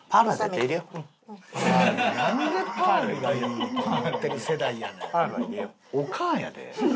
なんでパールがいいと思ってる世代やねん。